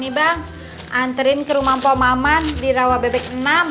nih bang anterin ke rumah poh maman di rawabebek enam